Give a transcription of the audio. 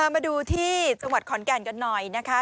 มาดูที่จังหวัดขอนแก่นกันหน่อยนะคะ